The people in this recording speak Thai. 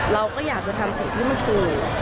เราก็อยากจะทำสิ่งที่มันถูก